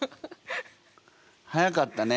早かったね。